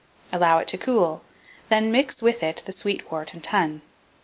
Allow it to cool; then mix it with the sweet wort and tun.